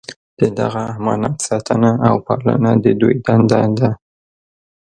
د دغه امانت ساتنه او پالنه د دوی دنده ده.